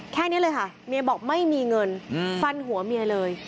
แค่นี้เลยค่ะเมียบอกไม่มีเงินฟันหัวเมียเลย